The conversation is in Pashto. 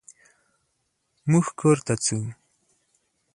مونږ کور ته ځو.